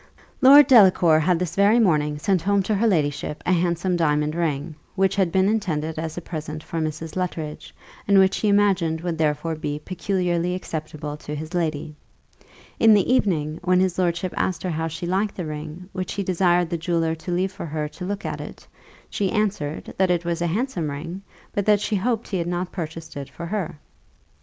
Lord Delacour had this very morning sent home to her ladyship a handsome diamond ring, which had been intended as a present for Mrs. Luttridge, and which he imagined would therefore be peculiarly acceptable to his lady. In the evening, when his lordship asked her how she liked the ring, which he desired the jeweller to leave for her to look at it, she answered, that it was a handsome ring, but that she hoped he had not purchased it for her.